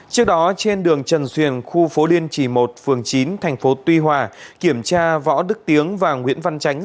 trước đó trên đường trần xuyền khu phố liên trì một phường chín thành phố tuy hòa kiểm tra võ đức tiếng và nguyễn văn chánh